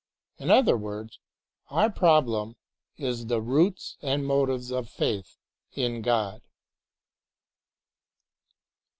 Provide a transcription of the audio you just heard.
In other words, our problem is the roots and motives of faith in God.